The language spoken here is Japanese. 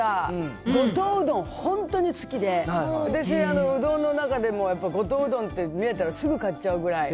五島うどん、本当に好きで、私、うどんの中でもやっぱ五島うどんって見えたらすぐ買っちゃうぐらい。